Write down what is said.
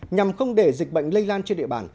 nhằm không để dịch bệnh lây lan trên địa bàn